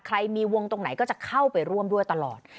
ใครมีวงตรงไหนก็จะเข้าไปร่วมด้วยตลอด